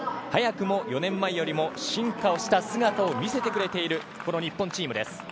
早くも４年前よりも進化をした姿を見せてくれている日本チームです。